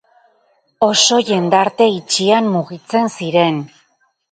Oso jendarte itxian mugitzen ziren.